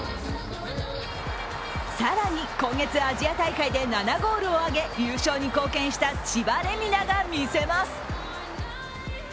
更に今月、アジア大会で７ゴールを挙げ、優勝に貢献した千葉玲海菜がみせます。